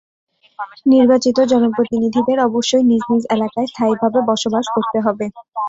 নির্বাচিত জনপ্রতিনিধিদের অবশ্যই নিজ নিজ এলাকায় স্থায়ীভাবে বসবাস করতে হবে।